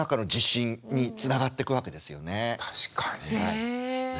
確かにね。